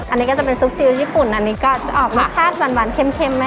อันนี้ก็จะเป็นซุปซิลญี่ปุ่นอันนี้ก็จะออกรสชาติหวานเข้มแม่